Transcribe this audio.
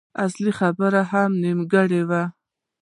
اصلي خبره هم نيمګړې وه.